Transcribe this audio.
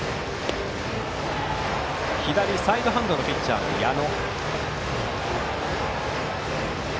左サイドハンドのピッチャーの矢野。